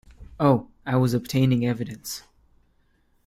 Oh, I was obtaining evidence.